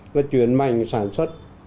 nó chuyển mạnh sản xuất